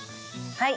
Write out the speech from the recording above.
はい。